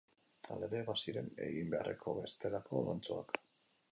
Hala ere, baziren egin beharreko bestelako lantxoak.